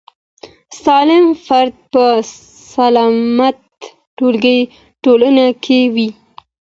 سالم فرد په سالمه ټولنه کي وي.